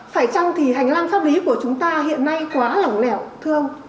phải chăng thì hành lang pháp lý của chúng ta hiện nay quá lỏng lẻo thưa ông